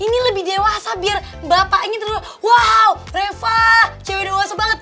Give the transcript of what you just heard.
ini lebih dewasa biar bapaknya terlalu wow reva cewek dewasa banget